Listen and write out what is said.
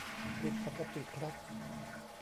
ผิดปกติครับ !